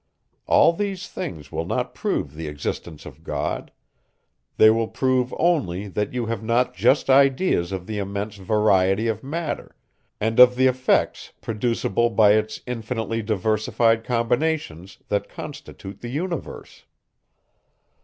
All these things will not prove the existence of God; they will prove only, that you have not just ideas of the immense variety of matter, and of the effects, producible by its infinitely diversified combinations, that constitute the universe.